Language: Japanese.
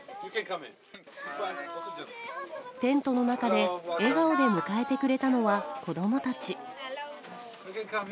テントの中で笑顔で迎えてくれたのは子どもたち。